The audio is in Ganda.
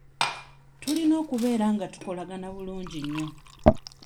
Tulina okubeera nga tukolagana bulungi nnyo.